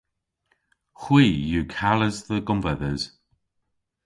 Hwi yw kales dhe gonvedhes.